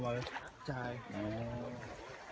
ยังใช่ยัง